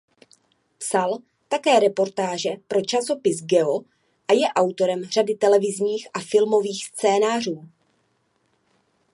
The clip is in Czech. Psal také reportáže pro časopis Geo a je autorem řady televizních a filmových scénářů.